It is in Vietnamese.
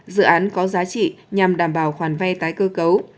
dự án có giá trị nhằm đảm bảo khoản vay tái cơ cấu